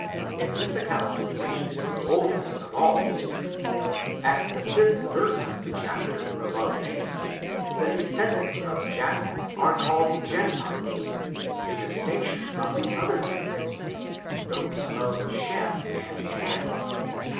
In this ac count, which is the eldest of all history, at the 5th verse of the chapter above named, the descendants of Japheth are called gentiles, in distinction from the other two races, those of Shem and Ham.